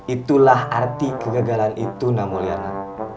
itulah arti kegagalan itu namulyana